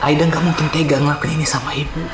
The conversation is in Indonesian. aida nggak mungkin teganglah begini sama ibu